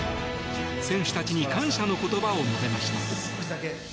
選手たちに感謝の言葉を述べました。